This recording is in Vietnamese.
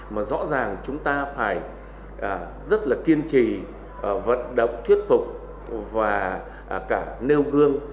mà rõ ràng chúng ta phải rất là kiên trì vận động thuyết phục và cả nêu gương